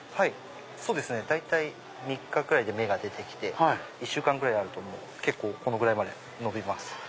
そうですね大体三日くらいで芽が出てきて１週間ぐらいあると結構このぐらいまで伸びます。